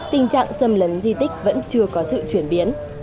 tình trạng xâm lấn di tích vẫn chưa có sự chuyển biến